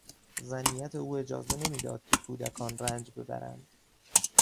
زنیت او اجازه نمیداد که کودکان رنج ببرند.